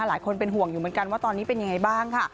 หลายคนเป็นห่วงอยู่เหมือนกันว่าตอนนี้เป็นยังไงบ้างค่ะ